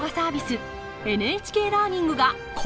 ＮＨＫラーニングがコラボ！